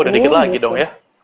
udah dikit lagi dong ya